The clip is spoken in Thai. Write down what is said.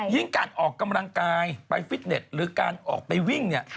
ยิ่งการออกกำลังกายไปฟิตเน็ตหรือการออกไปวิ่ง